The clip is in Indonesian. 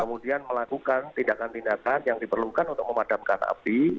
kemudian melakukan tindakan tindakan yang diperlukan untuk memadamkan api